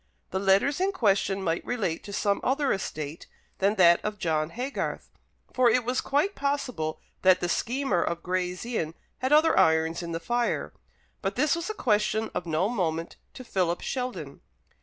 The letters in question might relate to some other estate than that of John Haygarth, for it was quite possible that the schemer of Gray's Inn had other irons in the fire. But this was a question of no moment to Philip Sheldon.